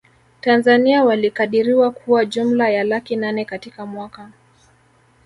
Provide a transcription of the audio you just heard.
Tanzania walikadiriwa kuwa jumla ya laki nane katika mwaka